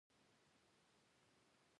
خو يو وخت مو پام سو چې مرمۍ نه راځي.